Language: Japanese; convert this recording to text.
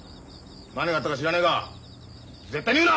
何があったか知らねえが絶対に言うな！